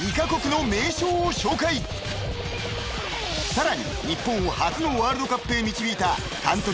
［さらに日本を初のワールドカップへ導いた監督